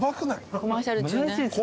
コマーシャル中ね。